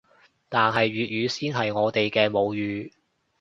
但係粵語先係我哋嘅母語